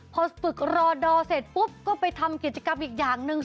พอฝึกรอดอเสร็จปุ๊บก็ไปทำกิจกรรมอีกอย่างหนึ่ง